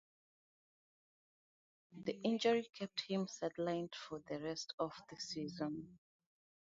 The injury kept him sidelined for the rest of the season.